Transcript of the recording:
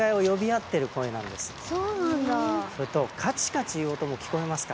それとカチカチいう音も聞こえますか？